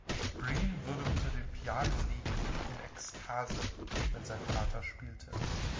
Bream würde unter dem Piano liegen in „Ekstase“, wenn sein Vater spielte.